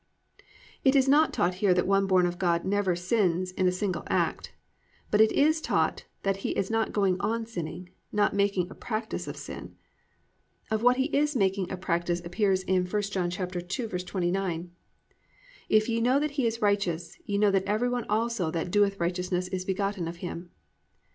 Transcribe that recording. It is not taught here that one born of God never sins in a single act, but it is taught that he is not going on sinning, not making a practice of sin. Of what he is making a practice appears in 1 John 2:29, +"If ye know that he is righteous, ye know that everyone also that doeth righteousness is begotten of him."